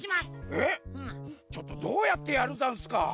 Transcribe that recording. えっちょっとどうやってやるざんすか？